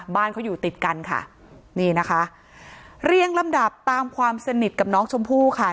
บ้านเขาอยู่ติดกันค่ะนี่นะคะเรียงลำดับตามความสนิทกับน้องชมพู่ค่ะ